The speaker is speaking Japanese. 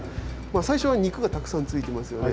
最初は肉がたくさんついてますよね？